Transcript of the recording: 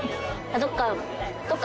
どっか。